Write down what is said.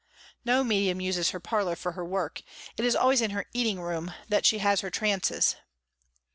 No medium uses her parlor for her work. It is always in her eating room that she has her trances.